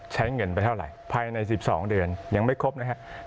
ใช้เงินไปเท่าไหร่ภายใน๑๒เดือนยังไม่ครบนะครับ